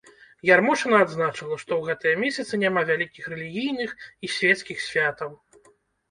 Ярмошына адзначыла, што ў гэтыя месяцы няма вялікіх рэлігійных і свецкіх святаў.